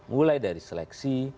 mulai dari seleksi